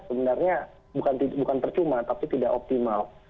sebenarnya bukan percuma tapi tidak optimal